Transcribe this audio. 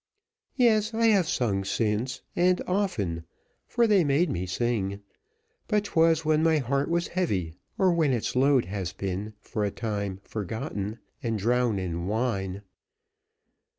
"Yes, I have sung since, and often, for they made me sing; but 'twas when my heart was heavy or when its load had been, for a time, forgotten and drowned in wine.